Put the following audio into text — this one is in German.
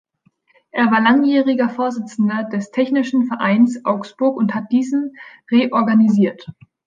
Er war langjähriger Vorsitzender des Technischen Vereins Augsburg und hat diesen reorganisiert.